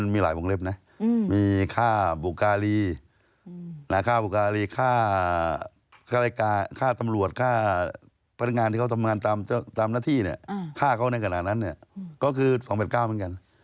๒๑๙มีหลายวงเล็บนะมีฆ่าบุกราลีฆ่าสำรวจฆ่าพนักงานที่เขาทำงานตามหน้าที่ฆ่าเขาในขณะนั้นก็คือ๒๑๙นั้นกัน